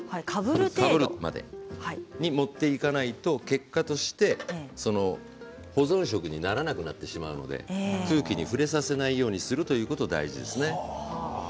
ここまで持っていかないと結果として保存食にならなくなってしまうので空気に触れさせないようにするということが大事ですね。